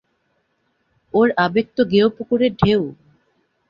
ওর আবেগ তো গেয়ো পুকুরের ঢেউ।